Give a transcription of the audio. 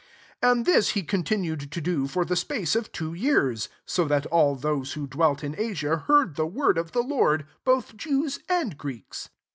10 And this he mtinued to do for the space of iro years ; so that all those who iirelt in Asia heard the word ' the Lord, both Jews and reeks.